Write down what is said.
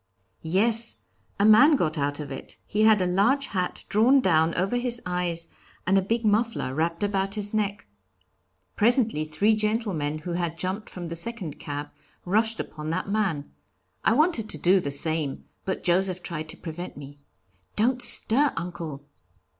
"Yes. A man got out of it he had a large hat drawn down over his eyes and a big muffler wrapped about his neck. Presently three gentlemen, who had jumped from the second cab, rushed upon that man. I wanted to do the same, but Joseph tried to prevent me. 'Don't stir, uncle!'